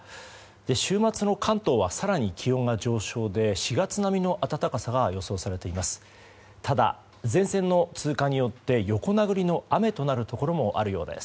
週末の関東は更に気温が上昇で４月並みの暖かさが予想されています。